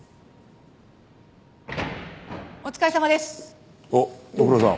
お疲おっご苦労さん。